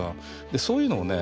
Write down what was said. でそういうのをね